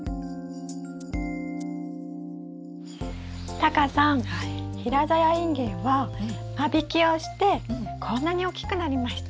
タカさん平ざやインゲンは間引きをしてこんなに大きくなりました。